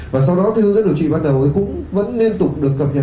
và sau đó theo hướng dẫn điều trị ban đầu ấy cũng vẫn liên tục được cập nhật